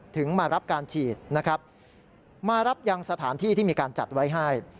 ถึงมารับการฉีดนะครับมารับยังสถานที่ที่มีการจัดไว้ให้